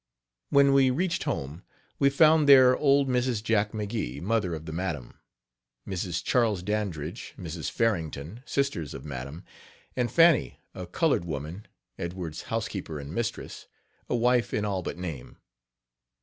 When we reached home, we found there old Mrs. Jack McGee, mother of the madam, Mrs. Charles Dandridge, Mrs. Farrington, sisters of madam, and Fanny, a colored woman, Edward's housekeeper and mistress a wife in all but name.